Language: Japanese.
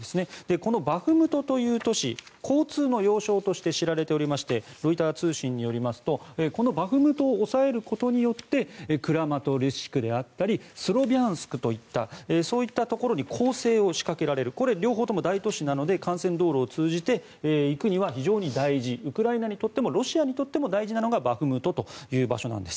このバフムトという都市交通の要衝として知られておりましてロイター通信によりますとこのバフムトを押さえることでクラマトルシクであったりスロビャンスクといったそういったところに攻勢を仕掛けられるこれ両方とも大都市なので幹線道路を通じていくには非常に大事ウクライナにとってもロシアにとっても大事なのがバフムトという場所なんです。